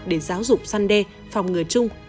để giáo dục săn đe phòng ngừa chung